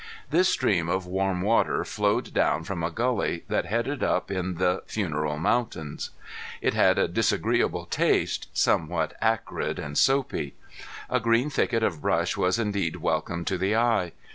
This stream of warm water flowed down from a gully that headed up in the Funeral Mountains. It had a disagreeable taste, somewhat acrid and soapy. A green thicket of brush was indeed welcome to the eye.